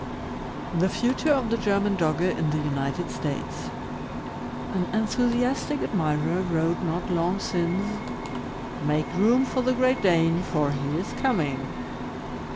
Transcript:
THE FUTUKE OF THE GERMAN DOGGE IN THE UNITED STATES. An enthusiastic admirer wrote not long since, "Make room for the Great Dane, for lie is coming."